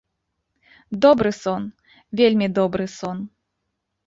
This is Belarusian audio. Добры сон, вельмі добры сон!